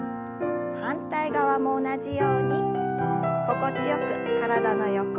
反対側も同じように心地よく体の横を伸ばします。